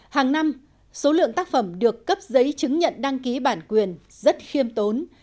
hàng năm số lượng tác phẩm được cấp giấy chứng nhận đăng ký bản quyền rất khiêm tốn